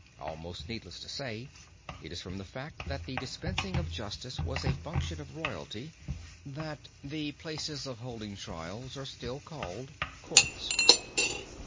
Almost needless to say, it is from the fact that the dispensing of justice was a function of royalty, that the places of holding trials are still called courts.